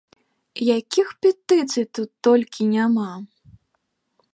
Якіх петыцый тут толькі няма!